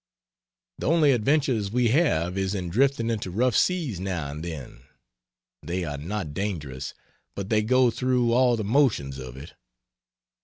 The only adventures we have is in drifting into rough seas now and then. They are not dangerous, but they go thro' all the motions of it.